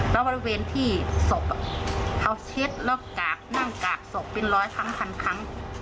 และบริเวณที่ศพเขาเช็ดแล้วกากนั่งกากศพเป็นร้อยพันคัน